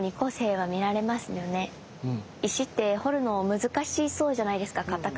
石って彫るの難しそうじゃないですか硬くて。